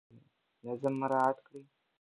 نظم مراعات کړئ.